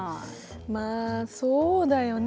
まあそうだよね。